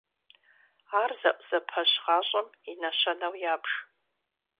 Ар зэӀузэпэщ гъащӀэм и нэщэнэу ябж.